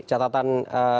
catatan itu mengingatkan